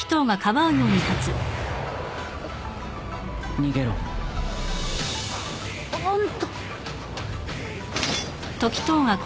逃げろ。あんた。